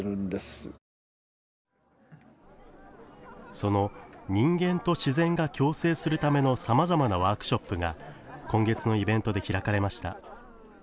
その人間と自然が共生するためのさまざまなワークショップが今月のイベントで開かれました。